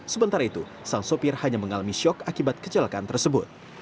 sementara itu sang sopir hanya mengalami syok akibat kecelakaan tersebut